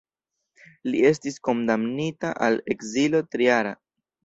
Li estis kondamnita al ekzilo trijara.